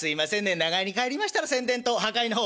長屋に帰りましたら宣伝と破壊の方」。